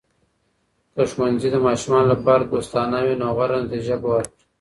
که ښوونځي د ماشومانو لپاره دوستانه وي، نو غوره نتیجه به ورکړي.